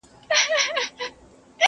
شمعي ته څه مه وایه!!!